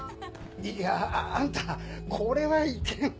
いやあんたこれはいけん。